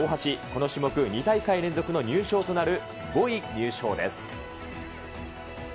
この種目２大会連続の入賞となる５位入賞です。